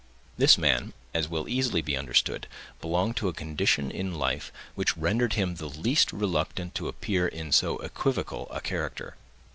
This man, as will easily be understood, belonged to a condition in life which rendered him the least reluctant to appear in so equivocal a character.